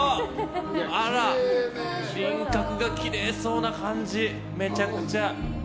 あら、輪郭がきれいそうな感じめちゃくちゃ。